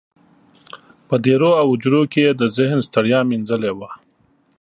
په دېرو او هوجرو کې یې د ذهن ستړیا مینځلې وه.